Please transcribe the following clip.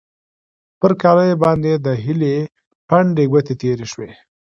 پر کالیو باندې د هیلې پنډې ګوتې تېرې شوې.